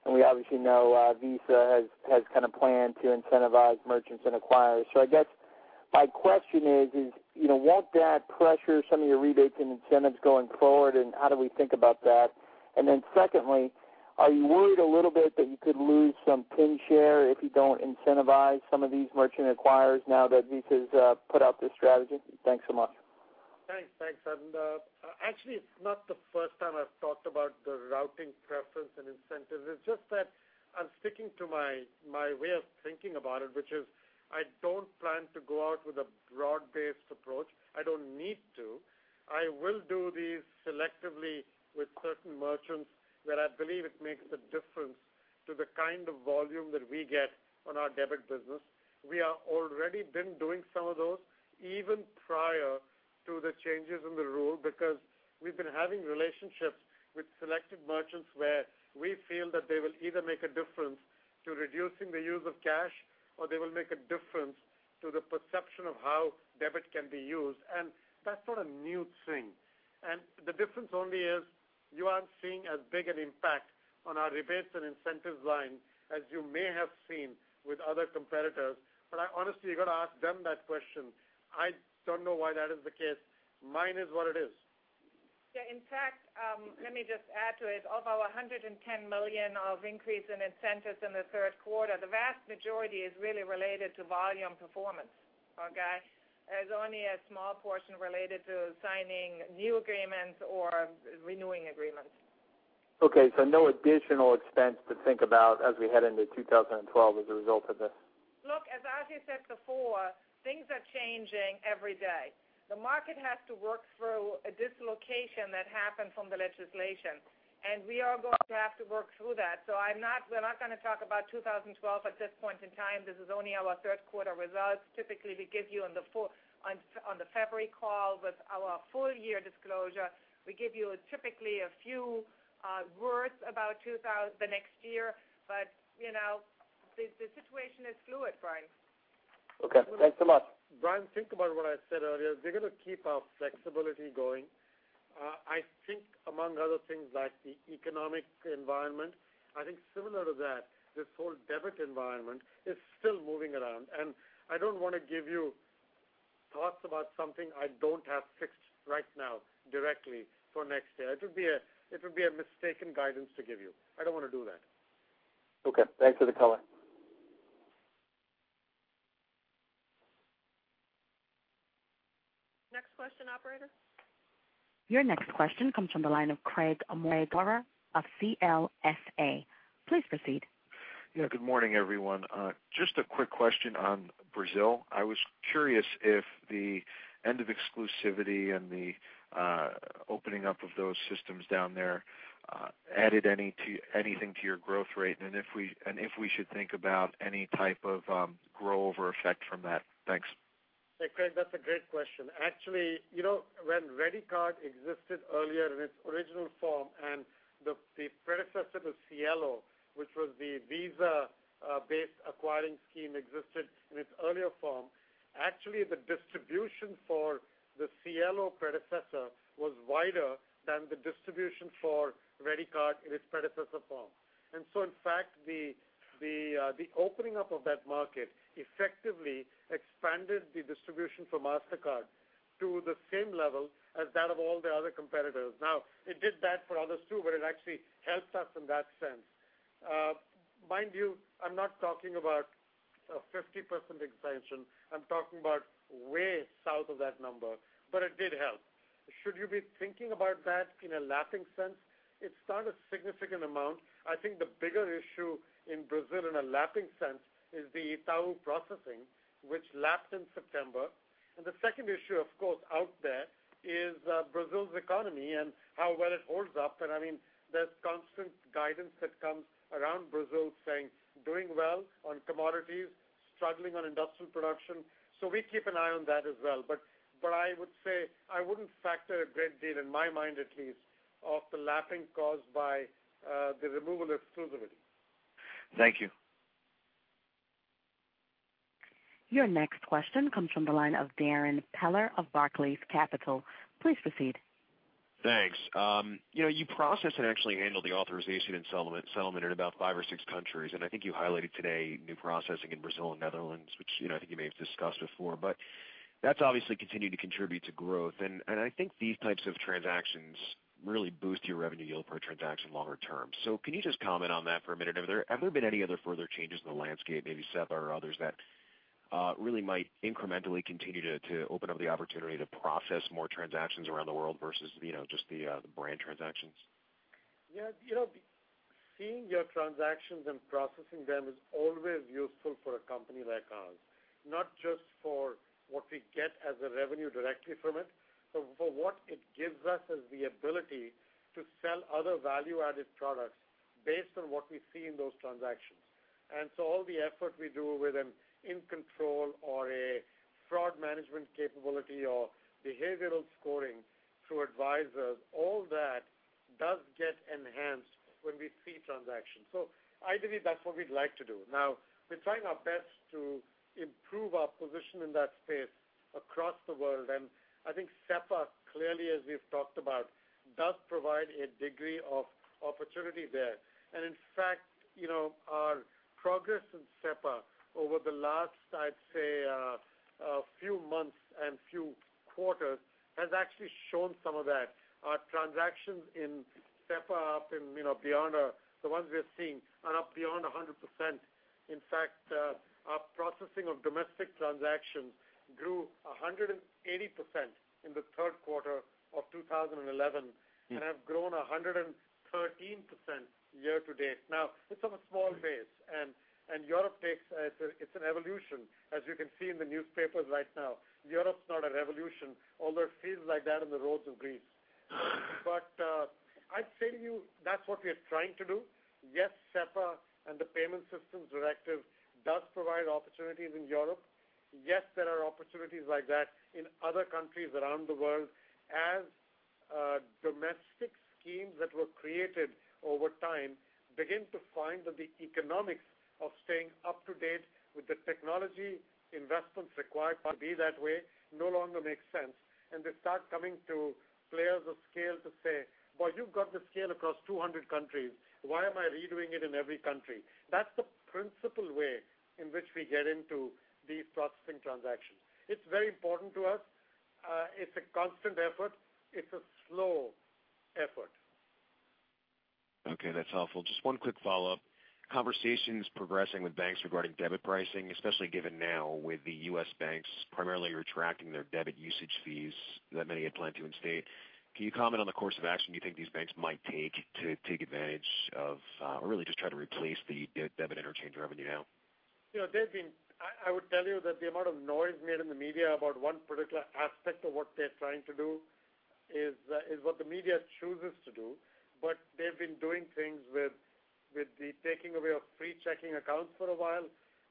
We obviously know Visa has kind of planned to incentivize merchants and acquirers. I guess my question is, you know, won't that pressure some of your rebates and incentives going forward? How do we think about that? Secondly, are you worried a little bit that you could lose some PIN share if you don't incentivize some of these merchant acquirers now that Visa's put out this strategy? Thanks so much. Thanks. Actually, it's not the first time I've talked about the routing preference and incentives. I'm sticking to my way of thinking about it, which is I don't plan to go out with a broad-based approach. I don't need to. I will do these selectively with certain merchants where I believe it makes a difference to the kind of volume that we get on our debit business. We have already been doing some of those even prior to the changes in the rule because we've been having relationships with selected merchants where we feel that they will either make a difference to reducing the use of cash or they will make a difference to the perception of how debit can be used. That's not a new thing. The difference only is you aren't seeing as big an impact on our rebates and incentives line as you may have seen with other competitors. Honestly, you got to ask them that question. I don't know why that is the case. Mine is what it is. In fact, let me just add to it. Of our $110 million of increase in incentives in the third quarter, the vast majority is really related to volume performance. There's only a small portion related to signing new agreements or renewing agreements. Okay. No additional expense to think about as we head into 2012 as a result of this? Look, as Ajay said before, things are changing every day. The market has to work through a dislocation that happened from the legislation. We are going to have to work through that. We're not going to talk about 2012 at this point in time. This is only our third quarter results. Typically, we give you on the February call with our full-year disclosure a few words about the next year. You know the situation is fluid, Bryan. Okay. Thanks so much. Bryan, think about what I said earlier. We're going to keep our flexibility going. I think among other things, like the economic environment, I think similar to that, this whole debit environment is still moving around. I don't want to give you thoughts about something I don't have fixed right now directly for next year. It would be a mistaken guidance to give you. I don't want to do that. Okay, thanks for the color. Next question, operator. Your next question comes from the line of Craig Maurer of CLSA. Please proceed. Good morning, everyone. Just a quick question on Brazil. I was curious if the end of exclusivity and the opening up of those systems down there added anything to your growth rate, and if we should think about any type of grow-over effect from that. Thanks. Hey, Craig, that's a great question. Actually, you know when Redecard earlier in its original form and the predecessor to Cielo, which was the Visa-based acquiring scheme, existed in its earlier form, the distribution for the Cielo predecessor was wider than the distribution for Redecard in its predecessor form. In fact, the opening up of that market effectively expanded the distribution for Mastercard to the same level as that of all the other competitors. It did that for others too, but it actually helped us in that sense. Mind you, I'm not talking about a 50% exemption. I'm talking about way south of that number. It did help. Should you be thinking about that in a lapping sense? It's not a significant amount. I think the bigger issue in Brazil in a lapping sense is the Itaú processing, which lapped in September. The second issue, of course, out there is Brazil's economy and how well it holds up. I mean, there's constant guidance that comes around Brazil saying doing well on commodities, struggling on industrial production. We keep an eye on that as well. I would say I wouldn't factor a great deal, in my mind at least, of the lapping caused by the removal of exclusivity. Thank you. Your next question comes from the line of Darrin Peller of Barclays Capital. Please proceed. Thanks. You know, you process and actually handle the authorization and settlement in about five or six countries. I think you highlighted today new processing in Brazil and Netherlands, which I think you may have discussed before. That's obviously continued to contribute to growth. I think these types of transactions really boost your revenue yield per transaction longer term. Can you just comment on that for a minute? Have there been any other further changes in the landscape, maybe SEPA or others, that really might incrementally continue to open up the opportunity to process more transactions around the world versus just the brand transactions? Yeah. You know, seeing your transactions and processing them is always useful for a company like ours, not just for what we get as a revenue directly from it, but for what it gives us as the ability to sell other value-added products based on what we see in those transactions. All the effort we do with an in-control or a fraud management capability or behavioral scoring through advisors, all that does get enhanced when we see transactions. Ideally, that's what we'd like to do. We're trying our best to improve our position in that space across the world. I think SEPA, clearly, as we've talked about, does provide a degree of opportunity there. In fact, our progress in SEPA over the last, I'd say, a few months and few quarters has actually shown some of that. Our transactions in SEPA, beyond the ones we're seeing, are up beyond 100%. In fact, our processing of domestic transactions grew 180% in the third quarter of 2011 and have grown 113% year to date. It's on a small base. Europe takes it's an evolution, as you can see in the newspapers right now. Europe's not a revolution, although it feels like that in the roads of Greece. I'm saying to you, that's what we are trying to do. Yes, SEPA and the payment systems directive does provide opportunities in Europe. Yes, there are opportunities like that in other countries around the world, as domestic schemes that were created over time begin to find that the economics of staying up to date with the technology investments required to be that way no longer makes sense. They start coming to players of scale to say, "Boy, you've got the scale across 200 countries. Why am I redoing it in every country?" That's the principal way in which we get into these processing transactions. It's very important to us. It's a constant effort. It's a slow effort. Okay. That's helpful. Just one quick follow-up. Conversations progressing with banks regarding debit pricing, especially given now with the U.S. banks primarily retracting their debit usage fees that many had planned to instate. Can you comment on the course of action you think these banks might take to take advantage of or really just try to replace the debit interchange revenue now? You know, Darrin, I would tell you that the amount of noise made in the media about one particular aspect of what they're trying to do is what the media chooses to do. They've been doing things with the taking away of pre-checking accounts for a while.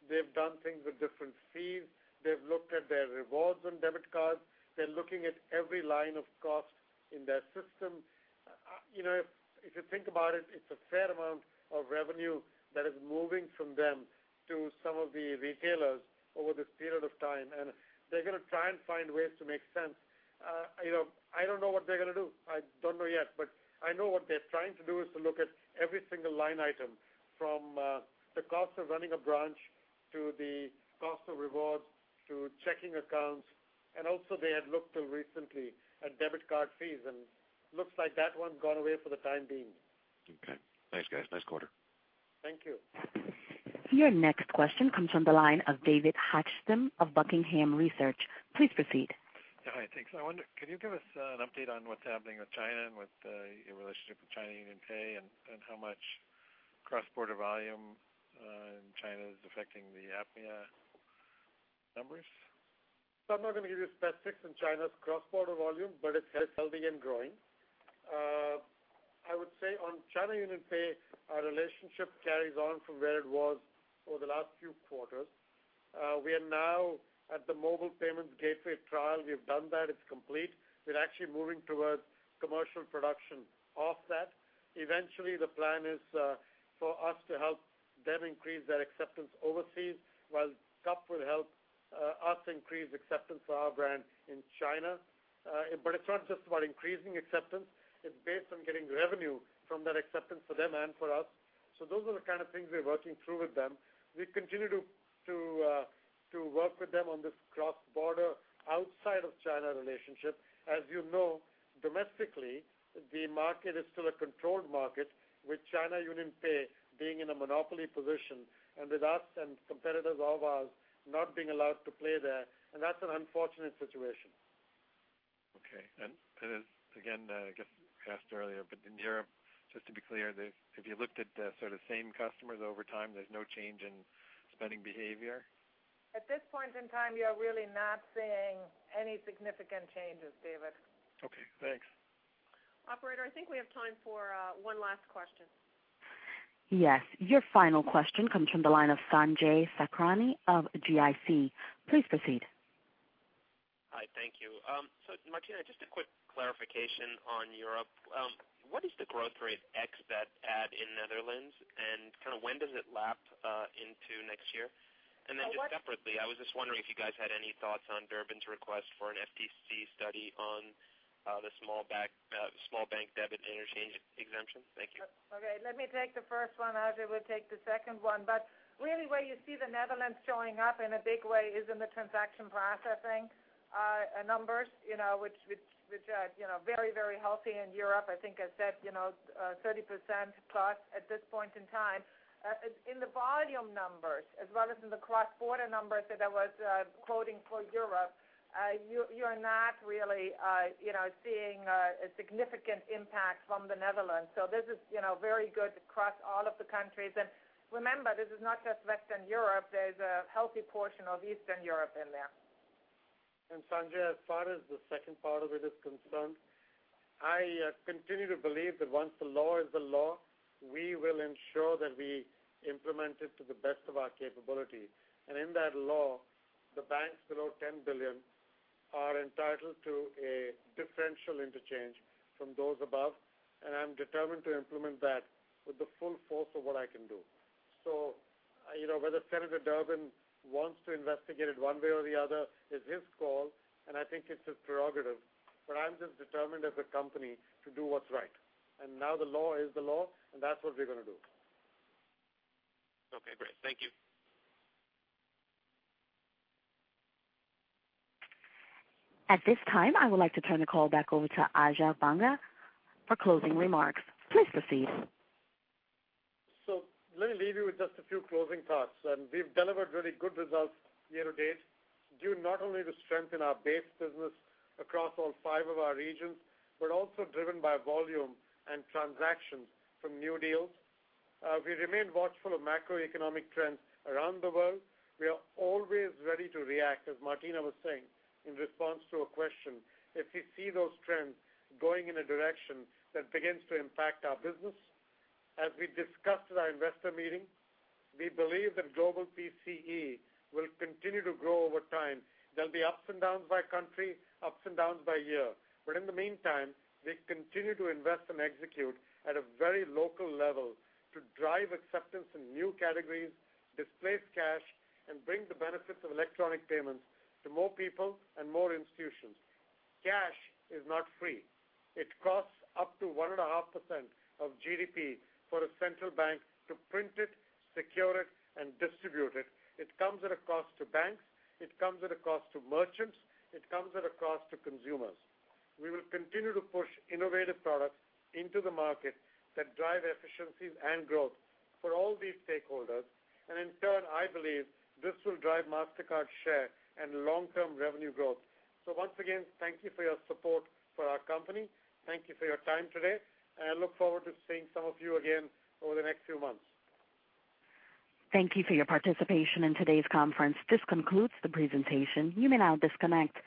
They've done things with different fees. They've looked at their rewards on debit cards. They're looking at every line of cost in their system. If you think about it, it's a fair amount of revenue that is moving from them to some of the retailers over this period of time. They're going to try and find ways to make sense. I don't know what they're going to do. I don't know yet. I know what they're trying to do is to look at every single line item, from the cost of running a branch to the cost of rewards to checking accounts. Also, they had looked till recently at debit card fees. It looks like that one's gone away for the time being. Okay, thanks, guys. Nice quarter. Thank you. Your next question comes from the line of David Hochstim of Buckingham Research. Please proceed. Hi. Thanks. I wonder, can you give us an update on what's happening with China and with your relationship with China UnionPay and how much cross-border volume in China is affecting the APMEA numbers? I'm not going to give you specifics in China's cross-border volume, but it's healthy and growing. I would say on China UnionPay, our relationship carries on from where it was over the last few quarters. We are now at the mobile payments gateway trial. We've done that. It's complete. We're actually moving towards commercial production of that. Eventually, the plan is for us to help them increase their acceptance overseas, while CUP will help us increase acceptance for our brand in China. It's not just about increasing acceptance. It's based on getting revenue from that acceptance for them and for us. Those are the kind of things we're working through with them. We continue to work with them on this cross-border outside-of-China relationship. As you know, domestically, the market is still a controlled market, with China UnionPay being in a monopoly position and with us and competitors of ours not being allowed to play there. That's an unfortunate situation. Okay. I guess I asked earlier, but in Europe, just to be clear, if you looked at the sort of same customers over time, there's no change in spending behavior? At this point in time, we are really not seeing any significant changes, David. Okay. Thanks. Operator, I think we have time for one last question. Yes. Your final question comes from the line of Sanjay Sakhrani of KBW. Please proceed. Hi. Thank you. Martina, just a quick clarification on Europe. What is the growth rate ex-ad in Netherlands, and when does it lap into next year? Separately, I was just wondering if you guys had any thoughts on Durbin's request for an FTC study on the small bank debit interchange exemption. Thank you. Okay. Let me take the first one, Ajay. We'll take the second one. Where you see the Netherlands showing up in a big way is in the transaction processing numbers, which are very, very healthy in Europe. I think I said 30%+ at this point in time. In the volume numbers, as well as in the cross-border numbers that I was quoting for Europe, you are not really seeing a significant impact from the Netherlands. This is very good across all of the countries. Remember, this is not just Western Europe. There's a healthy portion of Eastern Europe in there. Sanjay, as far as the second part of it is concerned, I continue to believe that once the law is the law, we will ensure that we implement it to the best of our capability. In that law, the banks below $10 billion are entitled to a differential interchange from those above. I'm determined to implement that with the full force of what I can do. Whether Senator Durbin wants to investigate it one way or the other is his call, and I think it's his prerogative. I'm just determined as a company to do what's right. The law is the law, and that's what we're going to do. Okay. Great. Thank you. At this time, I would like to turn the call back over to Ajay Banga for closing remarks. Please proceed. Let me leave you with just a few closing thoughts. We have delivered really good results year to date, due not only to strength in our base business across all five of our regions, but also driven by volume and transactions from new deals. We remain watchful of macroeconomic trends around the world. We are always ready to react, as Martina was saying, in response to a question. If you see those trends going in a direction that begins to impact our business, as we discussed at our investor meeting, we believe that global PCE will continue to grow over time. There will be ups and downs by country, ups and downs by year. In the meantime, we continue to invest and execute at a very local level to drive acceptance in new categories, displace cash, and bring the benefits of electronic payments to more people and more institutions. Cash is not free. It costs up to 1.5% of GDP for a central bank to print it, secure it, and distribute it. It comes at a cost to banks. It comes at a cost to merchants. It comes at a cost to consumers. We will continue to push innovative products into the market that drive efficiencies and growth for all these stakeholders. In turn, I believe this will drive Mastercard share and long-term revenue growth. Once again, thank you for your support for our company. Thank you for your time today. I look forward to seeing some of you again over the next few months. Thank you for your participation in today's conference. This concludes the presentation. You may now disconnect.